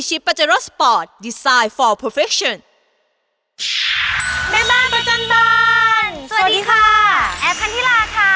สวัสดีค่ะแอฟพันธิลาค่ะ